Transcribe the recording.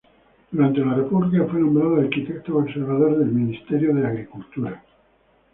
Durante la República fue nombrado Arquitecto Conservador del Ministerio de Agricultura.